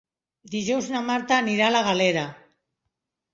Dijous na Marta anirà a la Galera.